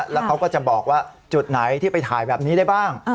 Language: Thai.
แล้วเขาก็จะบอกว่าจุดไหนที่ไปถ่ายแบบนี้ได้บ้าง